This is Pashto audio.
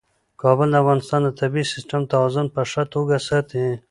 کابل د افغانستان د طبعي سیسټم توازن په ښه توګه ساتي.